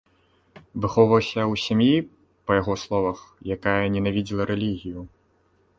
Выхоўваўся ў сям'і, па яго словах, якая ненавідзела рэлігію.